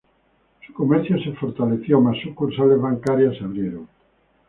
Su comercio se fortaleció, más sucursales bancarias se abrieron.